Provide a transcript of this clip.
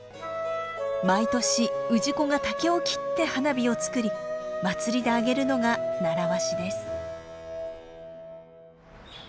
毎年氏子が竹を切って花火を作り祭りで上げるのが習わしです。